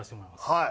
はい。